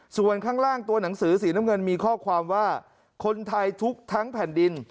ส่วนข้างล่างตัวหนังสือสีน้ำเงินมีข้อความว่าคนไทยทุกทั้งแผ่นดิน